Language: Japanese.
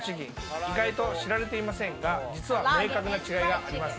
意外と知られていませんが、実は明確な違いがあります。